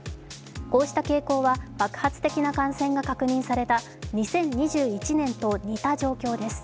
こうした傾向は爆発的な感染が確認された２０２１年と似た状況です。